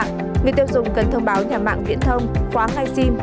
người tiêu dùng cần thông báo nhà mạng viễn thông khóa ngay sim